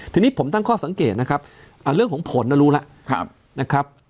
ทีนี้ผมตั้งข้อสังเกตนะครับเรื่องของผลรู้แล้วนะครับ